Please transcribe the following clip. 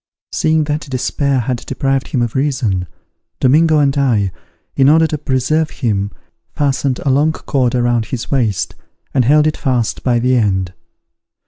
Seeing that despair had deprived him of reason, Domingo and I, in order to preserve him, fastened a long cord around his waist, and held it fast by the end.